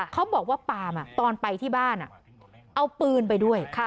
เขาบอกว่าปาล์มตอนไปที่บ้านเอาปืนไปด้วย